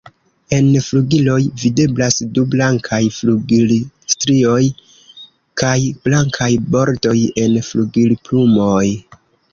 En flugiloj videblas du blankaj flugilstrioj kaj blankaj bordoj en flugilplumoj.